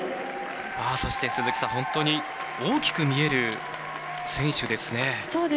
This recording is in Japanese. そして、本当に大きく見える選手ですね。